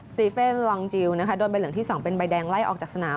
เฟ่นลองจิลนะคะโดนใบเหลืองที่๒เป็นใบแดงไล่ออกจากสนาม